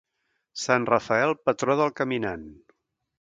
Sant Rafael, patró del caminant.